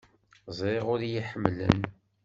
Ẓriɣ ur iyi-ḥemmlen.